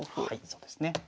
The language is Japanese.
はいそうですね。